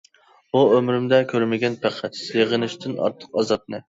بۇ ئۆمرۈمدە كۆرمىگەن پەقەت، سېغىنىشتىن ئارتۇق ئازابنى.